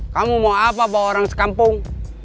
kamu mau apa bawa orang sekampung